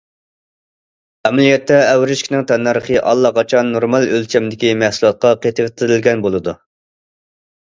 ئەمەلىيەتتە ئەۋرىشكىنىڭ تەننەرخى ئاللىقاچان نورمال ئۆلچەمدىكى مەھسۇلاتقا قېتىۋېتىلگەن بولىدۇ.